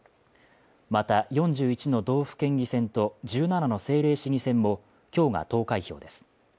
また、４１の道府県議選と１７の政令市議選も今日が投開票です。